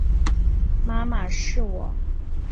妈妈，是我